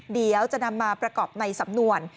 เดี๋ยวจะนำมาประกอบในสำนวน